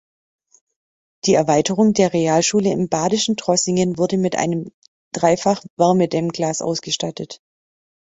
Die Erweiterung der Realschule im badischen Trossingen wurde mit einem Dreifach-Wärmedämmglas ausgestattet.